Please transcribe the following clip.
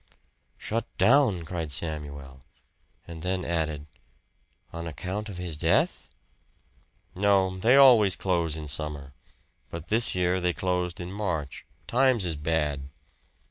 "Shut down!" cried Samuel; and then added, "On account of his death?" "No they always close in summer. But this year they closed in March. Times is bad."